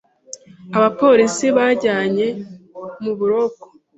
Abapolisi bajyanye mu buroko.